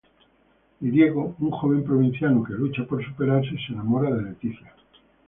Y Diego, un joven provinciano que lucha por superarse y se enamora de Leticia.